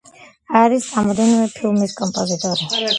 არის რამდენიმე ფილმის კომპოზიტორი.